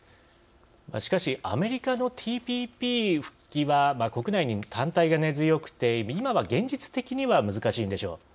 しかしアメリカのＴＰＰ復帰は国内に反対が根強くて今は現実的に難しいんでしょう。